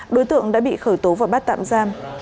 đối tượng đã bị khởi tố và bắt tạm giam